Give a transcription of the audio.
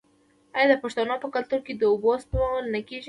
آیا د پښتنو په کلتور کې د اوبو سپمول نه کیږي؟